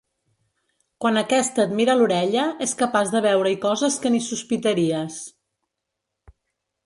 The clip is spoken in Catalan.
Quan aquesta et mira l'orella és capaç de veure-hi coses que ni sospitaries.